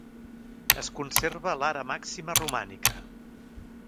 Es conserva l'ara màxima romànica.